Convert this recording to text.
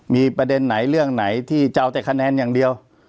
มีประเด็นไหนเรื่องไหนที่จะเอาแต่คะแนนอย่างเดียว